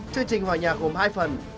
chương trình hòa nhạc gồm hai phần